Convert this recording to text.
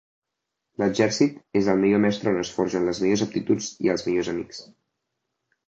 L'exèrcit és el millor mestre on es forgen les millors aptituds i els millors amics.